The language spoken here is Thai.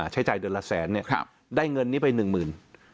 ใช้จ่ายเดือนละแสนได้เงินนี้ไป๑หมื่น